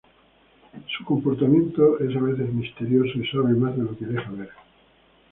Su comportamiento es a veces misterioso y sabe más de lo que deja ver.